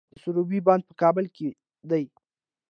د سروبي بند په کابل کې دی